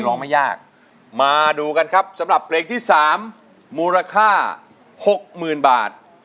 มันไม่เอาไปไว้มันไม่เอาไปไว้